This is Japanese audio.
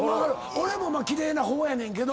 俺も奇麗な方やねんけど。